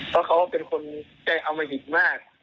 ก็เขาเป็นคนใจอำมัดหิตมาก